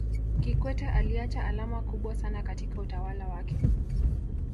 kikwete aliacha alama kubwa sana katika utawala wake